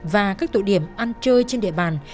và các tụi điểm ăn chơi trên địa bàn